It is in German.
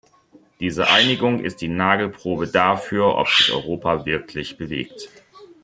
Diese Einigung ist die Nagelprobe dafür, ob sich Europa wirklich bewegt.